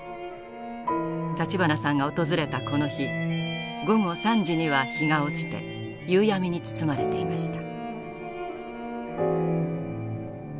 立花さんが訪れたこの日午後３時には日が落ちて夕闇に包まれていました。